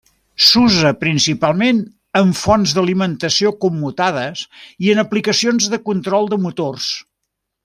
S'usa principalment en fonts d'alimentació commutades i en aplicacions de control de motors.